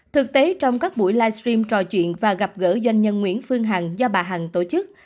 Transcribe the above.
thực tế trong các buổi livestream trò chuyện và gặp gỡ doanh nhân nguyễn phương hằng do bà hằng tổ chức